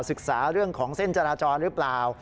ศึกษาเรื่องของเส้นจราจรหรือเปล่า